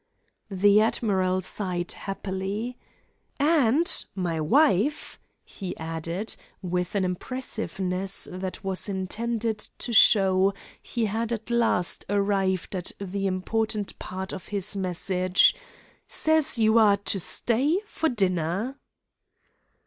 The admiral sighed happily. "And my wife," he added, with an impressiveness that was intended to show he had at last arrived at the important part of his message, "says you are to stay to dinner."